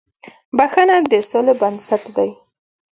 • بښنه د سولې بنسټ دی.